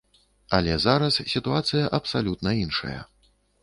Але зараз сітуацыя абсалютна іншая.